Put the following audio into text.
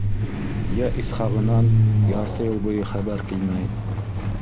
Йә Исхағынан ярты йыл буйы хәбәр килмәй.